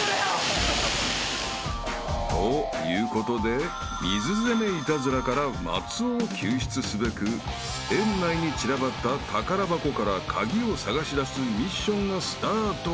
［ということで水責めイタズラから松尾を救出すべく園内に散らばった宝箱から鍵を探し出すミッションがスタート］